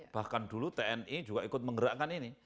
bahkan dulu tni juga ikut menggerakkan ini